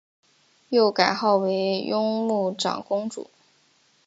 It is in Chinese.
又改号为雍穆长公主。